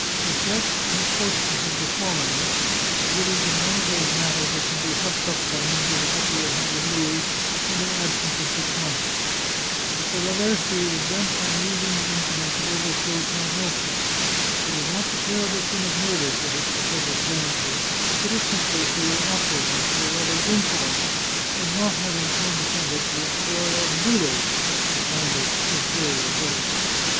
If that misfor tune had befallen you, it would have been one of those matters that can be hushed up by means of a couple of hun dred louis and an absence of six months. But the Raversi is bent on using the incident to overthrow Count Mosca. It is not the terrible sin of murder for which the public blames you, it is simply for your awkwardness, or rather insolence, in not having condescended to employ a bulo [a kind of in ferior bully].